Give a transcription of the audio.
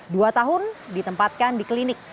dua tahun ditempatkan di klinik